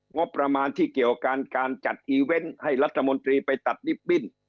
งบประมาณที่เกี่ยวการการจัดอีเวนต์ให้รัฐมนตรีไปตัดลิฟตบิ้น